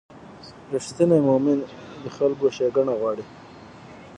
رښتینی مؤمن د خلکو ښېګڼه غواړي.